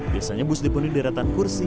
biasanya bus dipuni di ratan kursi